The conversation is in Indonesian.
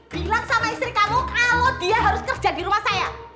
bilang sama istri kamu kalau dia harus kerja di rumah saya